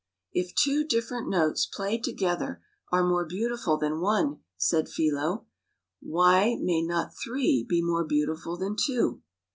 " If two different notes played together are more beautiful than one," said Philo, " why may not three be more beautiful than two?